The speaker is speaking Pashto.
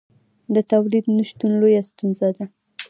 د تولید نشتون لویه ستونزه ده.